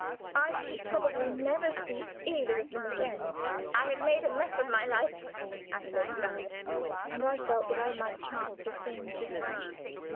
I should probably never see either of them again. "I have made a mess of my life," Adelaide had said, and I felt that I might chant the same dirge.